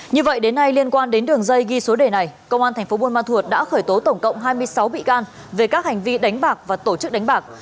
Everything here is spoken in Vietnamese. như vậy đến nay liên quan đến đường dây ghi số đề này công an tp buôn ma thuột đã khởi tố tổng cộng hai mươi sáu bị can về các hành vi đánh bạc và tổ chức đánh bạc